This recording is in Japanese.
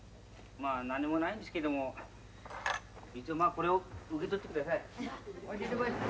まあ何もないんですけども一応これを受け取ってください。